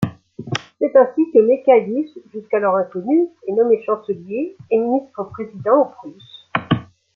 C'est ainsi que Michaelis, jusqu'alors inconnu, est nommé chancelier et ministre-président en Prusse.